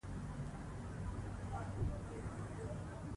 ګرځندوی صنعت عاید لري.